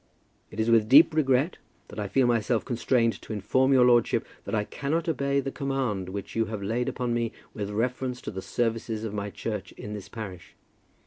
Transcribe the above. It is with deep regret that I feel myself constrained to inform your lordship that I cannot obey the command which you have laid upon me with reference to the services of my church in this parish.